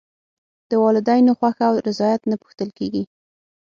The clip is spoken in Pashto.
د والدینو خوښه او رضایت نه پوښتل کېږي.